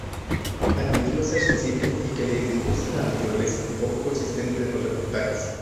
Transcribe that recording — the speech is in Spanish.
Admitió ser sensible y que le disgusta la naturaleza poco consistente de los reportajes.